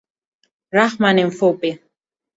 Rahma ni mfupi.